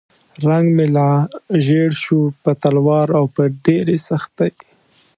رنګ مې لا ژیړ شو په تلوار او په ډېرې سختۍ.